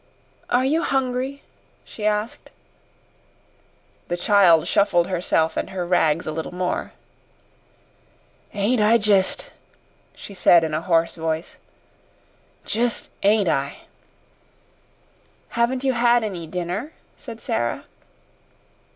"Are you hungry?" she asked. The child shuffled herself and her rags a little more. "Ain't I jist?" she said in a hoarse voice. "Jist ain't I?" "Haven't you had any dinner?" said Sara.